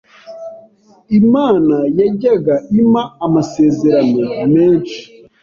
Imana yajyaga impa amasezerano menshi